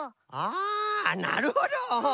あなるほど！